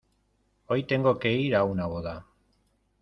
Hoy tengo que ir a una boda.